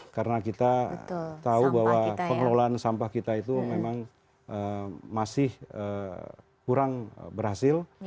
karena kita tahu bahwa pengelolaan sampah kita itu memang masih kurang berhasil